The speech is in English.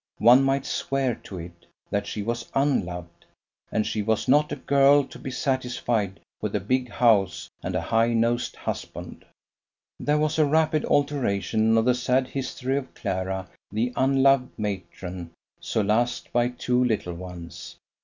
One might swear to it, that she was unloved. And she was not a girl to be satisfied with a big house and a high nosed husband. There was a rapid alteration of the sad history of Clara the unloved matron solaced by two little ones.